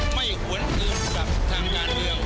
ไม่หวนอื่นกับทางด้านเดียว